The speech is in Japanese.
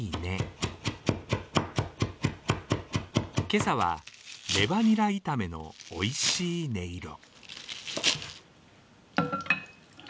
今朝はレバニラ炒めのおいしい音色。